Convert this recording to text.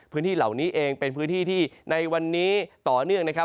พื้นที่เหล่านี้เองเป็นพื้นที่ที่ในวันนี้ต่อเนื่องนะครับ